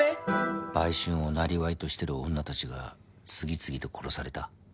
売春をなりわいとしてる女たちが次々と殺された。